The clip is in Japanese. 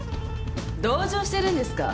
同情してるんですか？